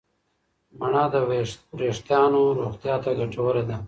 مڼه د وریښتانو روغتیا ته ګټوره ده.